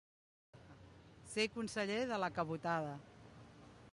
Ser conseller de la cabotada.